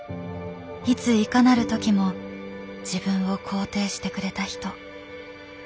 いついかなるときも自分を肯定してくれた人。